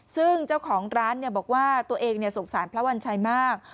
ซึ่งเจ้าของร้านบอกว่าตัวเองสงสารพระวัญชัยมาก